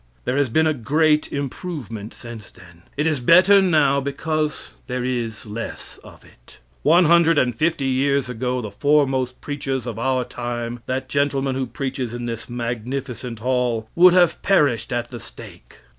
There has been a great improvement since then. It is better now because there is less of it. One hundred and fifty years ago the foremost preachers of our time that gentleman who preaches in this magnificent hall would have perished at the stake.